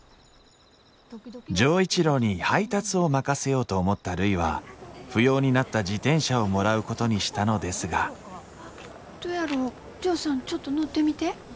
錠一郎に配達を任せようと思ったるいは不要になった自転車をもらうことにしたのですがどやろうジョーさんちょっと乗ってみて。